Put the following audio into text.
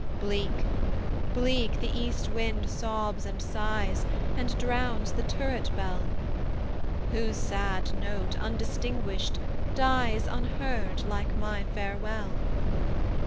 Bleak, bleak the east wind sobs and sighs, And drowns the turret bell, Whose sad note, undistinguished, dies Unheard, like my farewell!